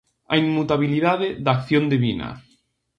A inmutabilidade da acción divina.